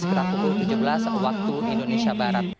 sekitar pukul tujuh belas waktu indonesia barat